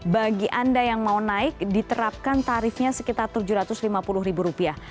bagi anda yang mau naik diterapkan tarifnya sekitar tujuh ratus lima puluh ribu rupiah